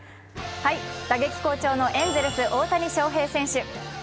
打撃好調のエンゼルス・大谷翔平選手。